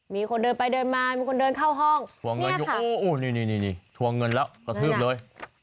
มีคนเดินไปเดินมามีคนเดินเข้าห้องนี่ละก็ทืบเลย